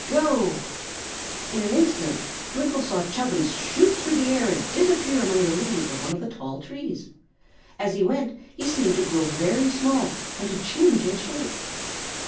Go!" In an instant Twinkle saw Chubbins shoot through the air and disappear among the leaves of one of the tall trees. As he went he seemed to grow very small, and to change in shape.